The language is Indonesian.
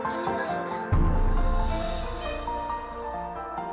ini wah enak